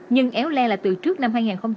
nhưng éo le là từ trước năm hai nghìn một mươi